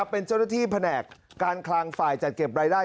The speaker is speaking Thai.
เป็นเจ้าหน้าที่แผนกการคลังฝ่ายจัดเก็บรายได้